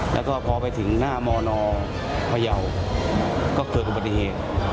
แล้วก็พอไปถึงหน้ามนพยาวก็เกิดอุบัติเหตุ